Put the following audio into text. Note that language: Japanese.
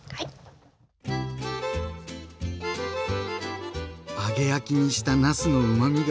揚げ焼きにしたなすのうまみが凝縮！